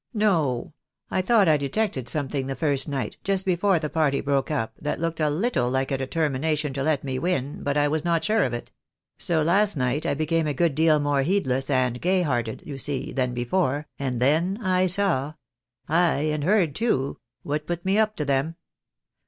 No ; I thought I detected something the first night, just before the party broke up, that looked a little like a determination to let me win, but I was not sure of it ; so last night I became a good deal more heedless and gay hearted, you see, than before, and then I saw — ay, and heard, too — what put me up to them.